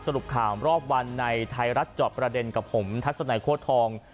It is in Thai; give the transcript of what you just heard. สรุปข่าวรอบวันในไทยรัฐจอบประเด็นกับผมทัศนัยโค้ดทอง